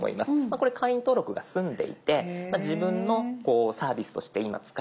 これ会員登録が済んでいて自分のサービスとして今使える準備ができてるよ